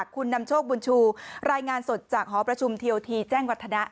คุณนำโชคบุญชูรายงานสดจากหอประชุมทีโอทีแจ้งวัฒนะ